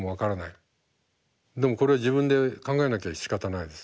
でもこれは自分で考えなきゃしかたないです。